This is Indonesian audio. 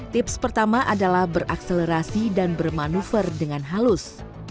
tips pertama adalah berakselerasi dan bermanuver dengan halus